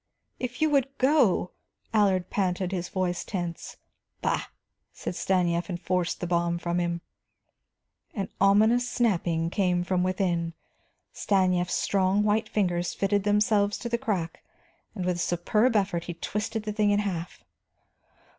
"If you would go!" Allard panted, his voice tense. "Bah," said Stanief, and forced the bomb from him. An ominous snapping came from within. Stanief's strong white fingers fitted themselves to the crack and with a superb effort he twisted the thing in half.